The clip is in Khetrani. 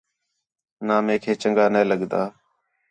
نا میک ہے چَنڳا نے لڳدا